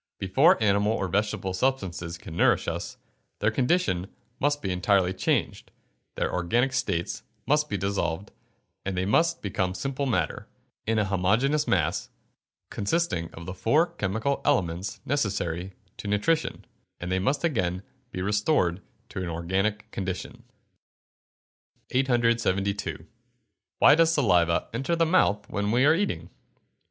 Before animal or vegetable substances can nourish us, their condition must be entirely changed, their organic states must be dissolved, and they must become simple matter, in a homogeneous mass, consisting of the four chemical elements necessary to nutrition, and they must again be restored to an organic condition. 872. _Why does saliva enter the mouth when we are eating?